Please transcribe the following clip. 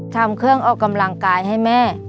ทำเครื่องออกกำลังกายให้แม่